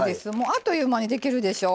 あっという間にできるでしょ。